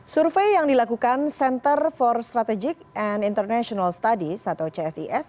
survei yang dilakukan center for strategic and international studies atau csis